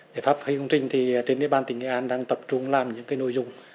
giải pháp phi công trình thì trên địa bàn tỉnh nghệ an đang tập trung làm những cái nội dung